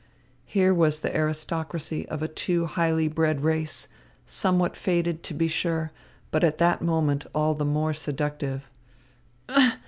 Here was the aristocracy of a too highly bred race, somewhat faded, to be sure, but at that moment all the more seductive.